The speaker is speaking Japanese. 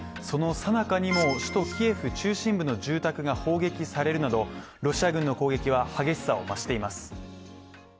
そのさなかにも首都キエフ中心部の住宅が砲撃されるなどロシア軍の攻撃は激しさを増しています。